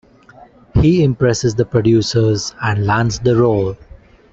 He impresses the producers and lands the role.